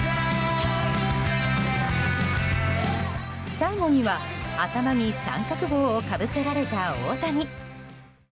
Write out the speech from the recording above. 最後には、頭に三角帽をかぶせられた大谷。